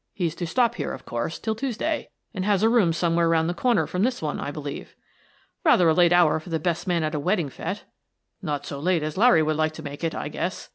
He's to stop here, of course, till Tues day, and has a room somewhere round the corner from this one, I believe." " Rather a late hour for the best man at a wed ding fete." " Not so late as Larry would like to make it, I guess.